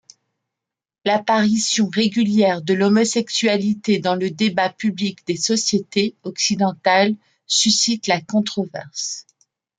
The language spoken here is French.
L'apparition régulière de l'homosexualité dans le débat public des sociétés occidentales suscite la controverse.